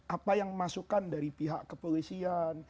apa yang masukan dari pihak kepolisian